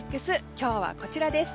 今日はこちらです。